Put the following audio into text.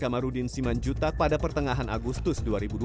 kamarudin simanjutak pada pertengahan agustus dua ribu dua puluh